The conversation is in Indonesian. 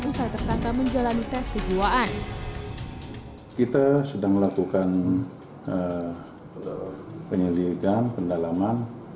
usai tersangka menjalani tes kejiwaan kita sedang melakukan penyelidikan pendalaman